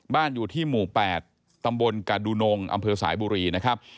อยู่ที่หมู่๘ตำบลกาดูนงอำเภอสายบุรีนะครับ